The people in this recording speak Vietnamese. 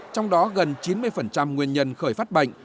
trong đó gần chín mươi nguyên nhân khởi phát bệnh